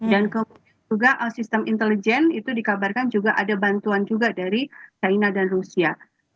dan juga sistem intelijen itu dikabarkan juga ada bantuan juga dari china dan rusia